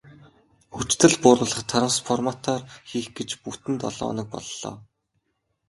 Хүчдэл бууруулах трансформатор хийх гэж бүтэн долоо хоног боллоо.